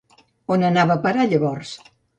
On anava a parar llavors?